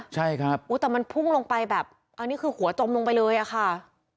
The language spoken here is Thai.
ใช่ครับแต่มันพุ่งลงไปแบบอันนี้คือหัวจมลงไปเลยอะค่ะ